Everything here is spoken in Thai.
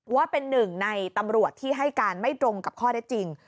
ว่าเป็นหนึ่งในตำรวจที่ให้การไม่ตรงกับข้อได้จริง